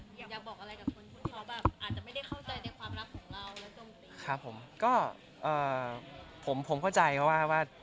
อยากบอกอะไรกับคนที่ชอบอาจจะไม่ได้เข้าใจในความรักของเราและโจมตี